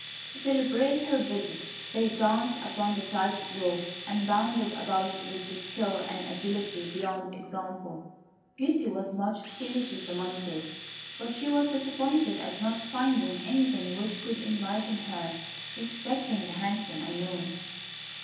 To celebrate her visit, they danced upon the tight rope, and bounded about with a skill and an agility beyond example. Beauty was much pleased with the monkeys, but she was disappointed at not finding anything which could enlighten her respecting the handsome unknown.